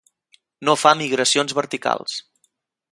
No fa migracions verticals.